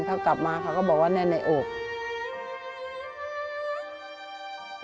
ถ้ากลับมาเขาก็บอกว่าแน่นในอก